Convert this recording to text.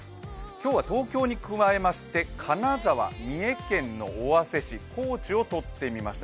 今日は東京に加えまして、金沢、三重県の尾鷲市、高知をとってみました。